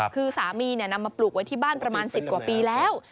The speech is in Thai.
คือสามีนำมาปลูกไว้ที่บ้านประมาณ๑๐กว่าปีแล้ว